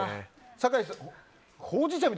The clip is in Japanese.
酒井さん